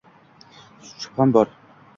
Shubham bor!